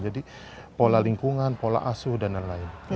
jadi pola lingkungan pola asuh dan lain lain